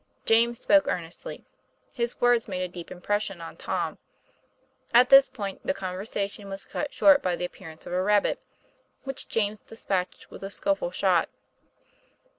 James spoke earnestly; his words made a deep impression on Tom. At this point the conversation was cut short by the appearance of a rabbit, which James despatched with a skilful shot.